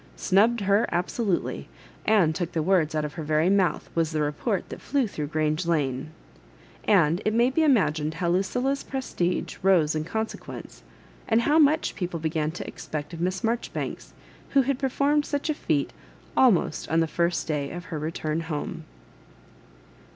Snubbed her absolutely, aad took the words out of her very mouth, was the report that flew through Grange Lane ; and it may be ima gined how Lucilla's prestige rose in consequence, and how much people began to expect of Miss Marjoribanks, who had performed such a feat almost on the first day of her return home.